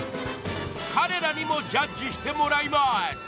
彼らにもジャッジしてもらいます。